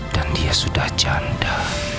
dan dia sudah janda